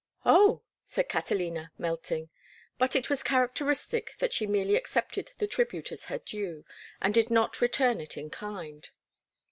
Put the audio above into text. "Oh!" said Catalina, melting; but it was characteristic that she merely accepted the tribute as her due and did not return it in kind.